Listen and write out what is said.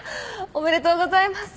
おめでとうございます。